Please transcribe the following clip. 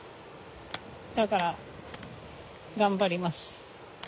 だから頑張ります。